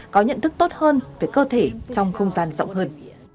có nhận thức tốt hơn về cơ thể trong không gian rộng hơn